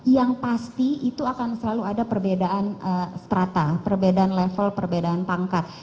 yang pasti itu akan selalu ada perbedaan strata perbedaan level perbedaan pangkat